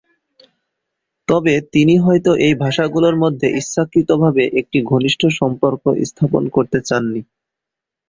তবে তিনি হয়ত এই ভাষা গুলোর মধ্যে ইচ্ছাকৃতভাবে একটি ঘনিষ্ঠ সম্পর্ক স্থাপন করতে চাননি।